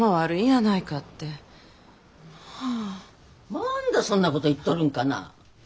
まんだそんなこと言っとるんかな。